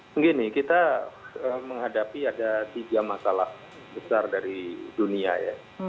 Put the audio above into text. begini kita menghadapi ada tiga masalah besar dari dunia ya